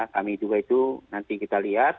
kami juga itu nanti kita lihat